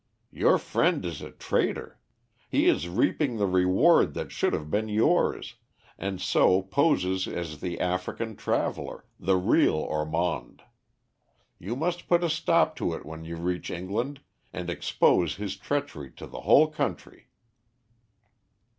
"Your friend is a traitor. He is reaping the reward that should have been yours, and so poses as the African traveller, the real Ormond. You must put a stop to it when you reach England, and expose his treachery to the whole country."